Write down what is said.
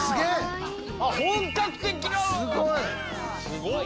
すごい！